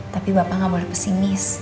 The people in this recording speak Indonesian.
tapi bapak nggak boleh pesimis